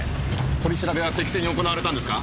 取り調べは適正に行われたんですか？